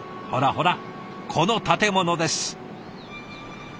ほらほらこの建物です。